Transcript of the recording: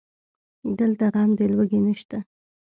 دلته غم د لوږې نشته